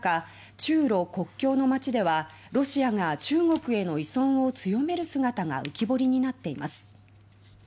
中ロ国境の街ではロシアが中国への依存を強める姿が浮き彫りになっています。